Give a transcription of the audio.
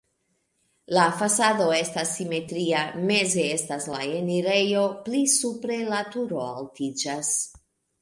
La fasado estas simetria, meze estas la enirejo, pli supre la turo altiĝas.